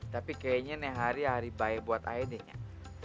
tapi kayaknya nih hari hari baik buat aja deh nyiak